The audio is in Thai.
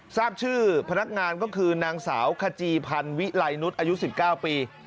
ทราบชื่อพนักงานก็คือนางสาวขจีพันธ์วิไลนุษย์อายุ๑๙ปี